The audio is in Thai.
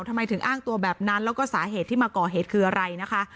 ทำไมถึงอ้างตัวแบบนั้นแล้วก็สาเหตุที่มาก่อเหตุคืออะไรนะคะ